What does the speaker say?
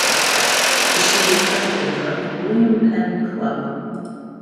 She was president of the William Penn Club.